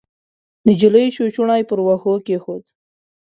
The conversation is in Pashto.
نجلۍ چوچوڼی پر وښو کېښود.